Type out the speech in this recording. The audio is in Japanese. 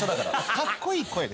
かっこいい声で。